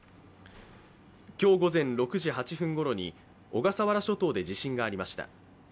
今日午前６時８分ごろに小笠原諸島で地震がありました。